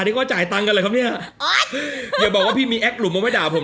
นี่ก็จ่ายตังค์กันเลยครับเนี่ยอย่าบอกว่าพี่มีแอคหลุมมาไม่ด่าผม